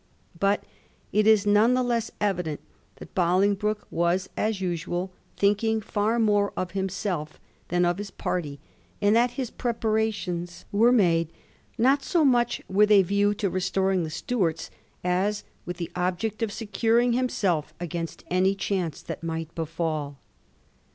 But it is none the less evident that Bolingbroke was as usual thinking far more of himself than of his party, and that his preparations were made not so much with a view to restoring the Stuarts, as with the object of securing himself against any chance that might befieJl.